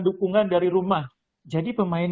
dukungan dari rumah jadi pemain